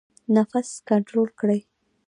نفس کنټرول کړئ